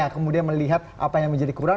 kemudian melihat apa yang menjadi kekurangan